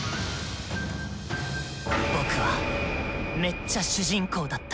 僕はめっちゃ主人公だった。